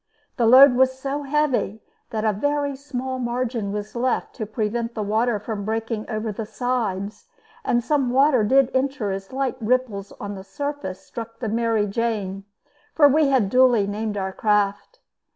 The load was so heavy that a very small margin was left to prevent the water from breaking over the sides, and some water did enter as light ripples on the surface struck the Mary Jane for we had duly named our craft.